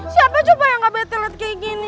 siapa coba yang gak bete let kayak gini